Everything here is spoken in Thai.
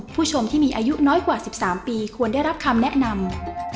ผู้ชมที่มีอายุน้อยกว่า๑๓ปีควรได้รับคำแนะนำ